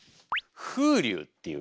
「風流」っていう